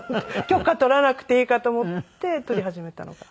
許可取らなくていいかと思って撮り始めたのが。